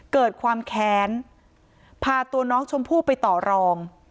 เกิดความแค้นพาตัวน้องชมพู่ไปต่อรอง